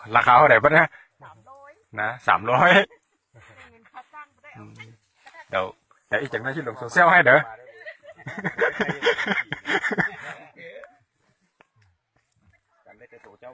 หลักเข้าได้ปะเนี้ยสามร้อยน่ะสามร้อยอืมโอ้แต่อีกจังได้ชื่นลงโซเซลไห้เด้อ